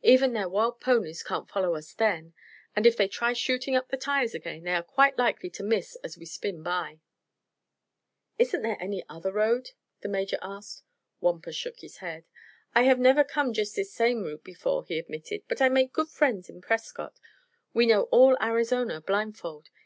Even their wild ponies can't follow us then, and if they try shooting up the tires again they are quite likely to miss as we spin by." "Isn't there any other road?" the Major asked. Wampus shook his head. "I have never come jus' this same route before," he admitted; "but I make good friend in Prescott, who know all Arizona blindfold.